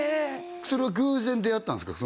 それは偶然出会ったんですか？